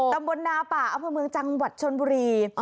ตำบลนาปอาทรงบริเวณจังหวัดชนบุรี